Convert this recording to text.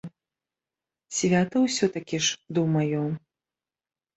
Свята ўсё-такі ж, думаю.